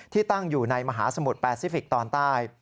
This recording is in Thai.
ตั้งอยู่ในมหาสมุทรแปซิฟิกตอนใต้